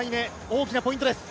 大きなポイントです。